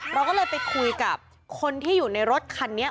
เราก็เลยไปคุยกับคนที่อยู่ในรถคันนี้